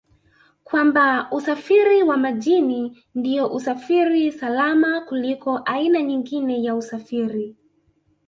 kwamba Usafiri wa Majini ndio usafiri salama kuliko aina nyingine ya usafiri